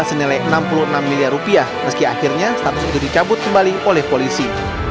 pembelian wujaya senilai rp enam puluh enam miliar meski akhirnya status itu dicabut kembali oleh polisi